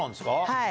はい。